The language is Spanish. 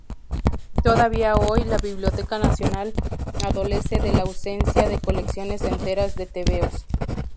Todavía hoy, la Biblioteca Nacional adolece de la ausencia de colecciones enteras de tebeos.